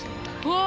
うわ。